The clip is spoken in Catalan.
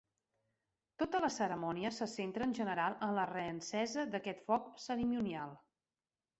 Tota la cerimònia se centra en general en la reencesa d'aquest foc cerimonial.